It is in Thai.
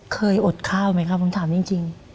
เคยอดข้าวไม่ครับความถามจริง